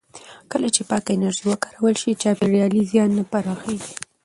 کله چې پاکه انرژي وکارول شي، چاپېریالي زیان نه پراخېږي.